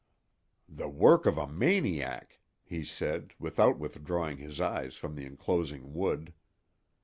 "The work of a maniac," he said, without withdrawing his eyes from the inclosing wood.